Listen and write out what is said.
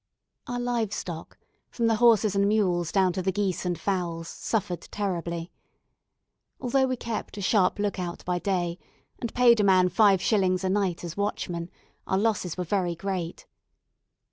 Our live stock, from the horses and mules down to the geese and fowls, suffered terribly. Although we kept a sharp look out by day, and paid a man five shillings a night as watchman, our losses were very great.